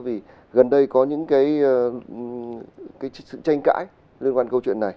vì gần đây có những cái sự tranh cãi liên quan câu chuyện này